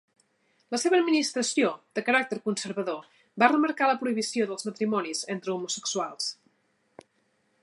La seva administració, de caràcter conservador, va remarcar la prohibició dels matrimonis entre homosexuals.